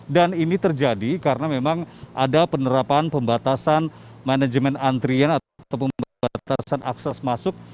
dan ini terjadi karena memang ada penerapan pembatasan manajemen antrean atau pembatasan akses masuk